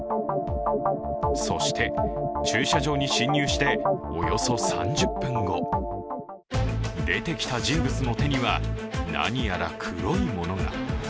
そして、駐車場に侵入しておよそ３０分後、出てきた人物の手には、何やら黒いものが。